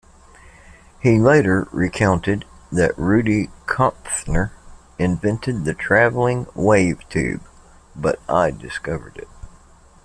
He later recounted that Rudy Kompfner invented the traveling-wave tube, but I discovered it.